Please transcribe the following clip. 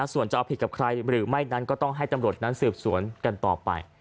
ส่วนจะเอาผิดกับใครหรือไม่นั้นก็ต้องให้ตำรวจนั้นสืบสวนกันต่อไป